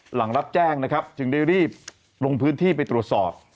หลังรับแจ้งนะครับจึงได้รีบลงพื้นที่ไปตรวจสอบ